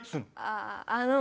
あああの。